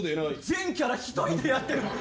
全キャラ１人でやってる！